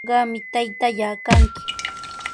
Qami taytallaa kanki.